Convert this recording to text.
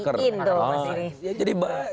jadi bisa jadi menaker